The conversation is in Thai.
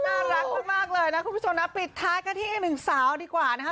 น่ารักมากเลยนะคุณผู้ชมนะปิดท้ายกันที่อีกหนึ่งสาวดีกว่านะคะ